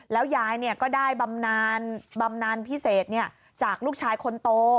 แล้วยายก็ได้บำนานพิเศษจากลูกชายคนโต